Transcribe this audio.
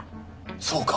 そうか。